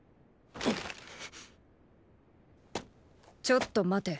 ちょっと待て。